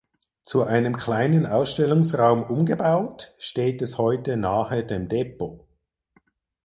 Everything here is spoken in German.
Zu einem kleinen Ausstellungsraum umgebaut steht es heute nahe dem Depot.